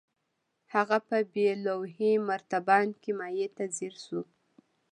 هغه په بې لوحې مرتبان کې مايع ته ځير شو.